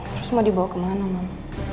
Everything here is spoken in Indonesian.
terus mau dibawa kemana mana